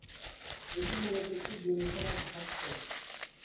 এটি মূলত একটি গুণী সমাজ ভাস্কর্য।